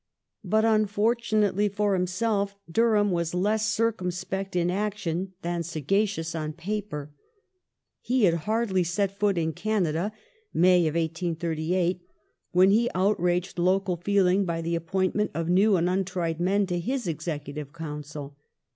But unfortunately for himself, Durham was less circumspect in action than sagacious on paper. He had hardly set foot in Canada (May, 1838) before he outraged local feeling by the appointment of new and untried men to his Executive Council.